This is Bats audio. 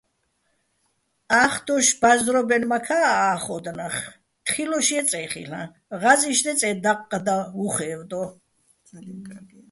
ა́ხდოშ ბა́ზრობენმაქა́ ა́ხოდო̆ ნახ, თხილუშ ჲეწე́ ხილ'აჼ, ღაზი́შ დეწე́ დაყყდაჼ უ̂ხ ე́ვდო́.